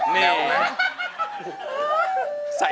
เนี๊ยวไหม